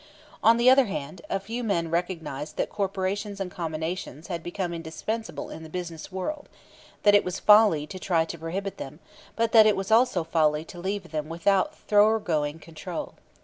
On the other hand, a few men recognized that corporations and combinations had become indispensable in the business world, that it was folly to try to prohibit them, but that it was also folly to leave them without thoroughgoing control.